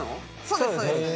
そうですそうです。